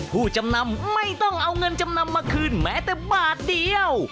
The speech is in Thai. ผู้จำนำไม่ต้องเอาเงินจำนำมาคืนแม้แต่บาทเดียว